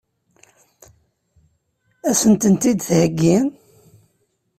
Ad sen-tent-id-theggi?